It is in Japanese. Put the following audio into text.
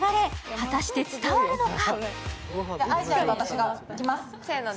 果たして伝わるのか。